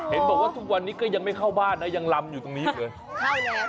เห็นบอกว่าทุกวันนี้ก็ยังไม่เข้าบ้านนะยังลำอยู่ตรงนี้อยู่เลย